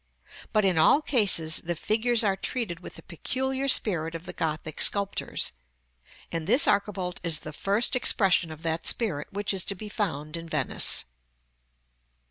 But, in all cases, the figures are treated with the peculiar spirit of the Gothic sculptors; and this archivolt is the first expression of that spirit which is to be found in Venice.